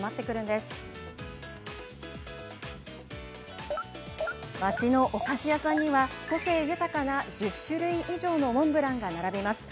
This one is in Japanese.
で、町のお菓子屋さんには個性豊かな１０種類以上のモンブランが並びます。